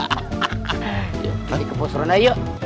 kita ke posurana yuk